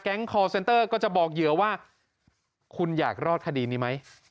คอร์เซ็นเตอร์ก็จะบอกเหยื่อว่าคุณอยากรอดคดีนี้ไหม